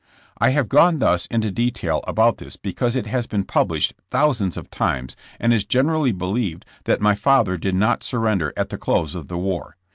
I have gone thus into detail about this because it has been published thousands of times and is gen erally believed, that my father did not surrender at the close of the war.